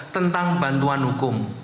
tentang bantuan hukum